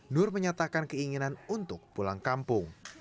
nur menyatakan keinginan untuk pulang kampung